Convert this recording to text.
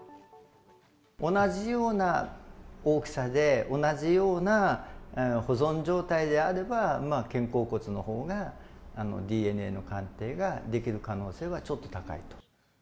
同じような大きさで、同じような保存状態であれば、まあ肩甲骨のほうがＤＮＡの鑑定ができる可能性はちょっと高い。